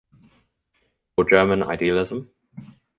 Or German idealism?